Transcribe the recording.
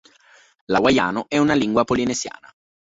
L'hawaiano è una lingua polinesiana.